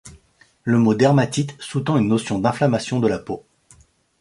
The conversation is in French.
Le mot dermatite sous-tend une notion d'inflammation de la peau.